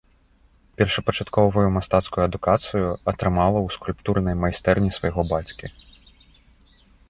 Першапачатковую мастацкую адукацыю атрымала ў скульптурнай майстэрні свайго бацькі.